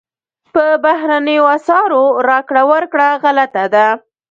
په بهرنیو اسعارو راکړه ورکړه غلطه ده.